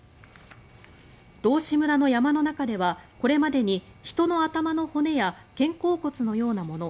道志村の山の中ではこれまでに人の頭の骨や肩甲骨のようなもの